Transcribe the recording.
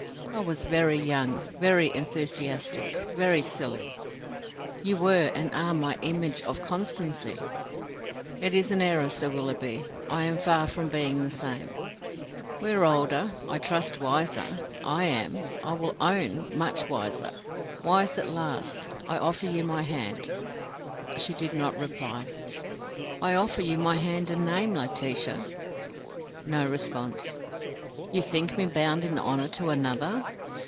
"I was very young, very enthusiastic, very silly." "You were and are my image of constancy!" "It is an error, Sir Willoughby; I am far from being the same." "We are all older, I trust wiser. I am, I will own; much wiser. Wise at last! I offer you my hand." She did not reply. "I offer you my hand and name, Laetitia." No response. "You think me bound in honour to another?"